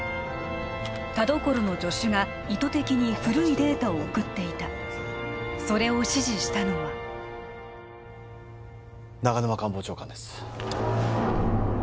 田所の助手が意図的に古いデータを送っていたそれを指示したのは長沼官房長官です